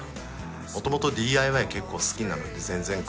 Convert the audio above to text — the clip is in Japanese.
もともとＤＩＹ結構好きなので全然苦じゃなくて。